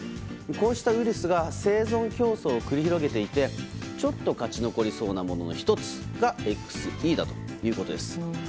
こうしたウイルスが生存競争を繰り広げていてちょっと勝ち残りそうなものの１つがＸＥということです。